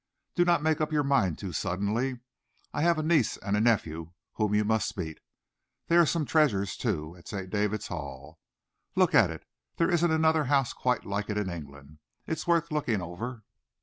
Do not make up your mind too suddenly. I have a niece and a nephew whom you must meet. There are some treasures, too, at St. David's Hall. Look at it. There isn't another house quite like it in England. It is worth looking over."